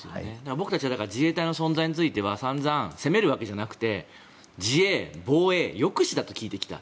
僕たちは自衛隊の存在については散々責めるわけじゃなくて自衛、防衛、抑止だと聞いてきた。